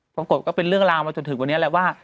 ก็เป็นเรื่องราวมาจนถึงวันนี้แหละว่า